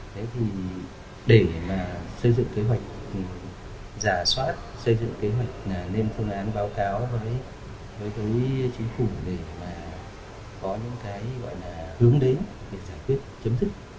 thế thì để mà xây dựng kế hoạch giả soát xây dựng kế hoạch nền phương án báo cáo với đối với chính phủ để mà có những cái gọi là hướng đến để giải quyết chấm dứt